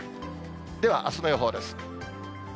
では、あすの予報です。